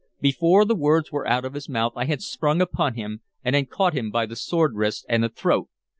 Before the words were out of his mouth I had sprung upon him, and had caught him by the sword wrist and the throat.